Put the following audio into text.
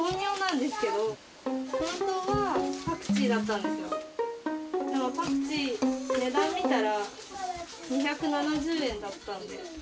でもパクチー、値段見たら２７０円だったんで。